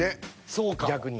逆に。